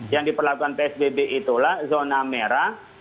yang diperlakukan psbb itulah zona merah